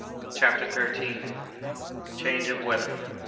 CHAPTER THIRTEENTH. Change of Weather.